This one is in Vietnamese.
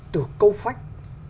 từ câu phách